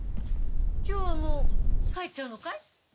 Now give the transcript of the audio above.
今日はもう帰っちゃうのかい？